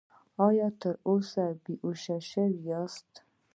ایا تر اوسه بې هوښه شوي یاست؟